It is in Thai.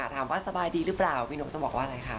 สบายดีหรือเปล่าพี่นกจะบอกว่าอะไรคะ